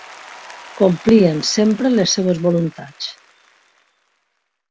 Complien sempre les seves voluntats.